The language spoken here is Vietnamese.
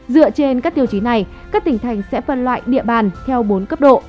dựa trên các tiêu chí này các tỉnh thành sẽ phân loại địa bàn theo bốn cấp độ